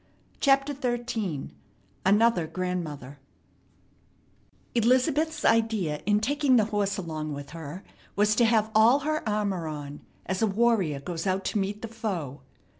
CHAPTER XIII ANOTHER GRANDMOTHER Elizabeth's idea in taking the horse along with her was to have all her armor on, as a warrior goes out to meet the foe.